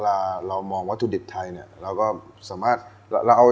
อาทิตย์เราก็พร้อมจะทำแล้ว